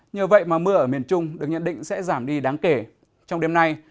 nhờ vậy mà mưa ở miền trung được nhận định sẽ giảm đi đáng kể